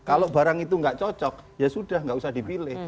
kalau barang itu nggak cocok ya sudah nggak usah dipilih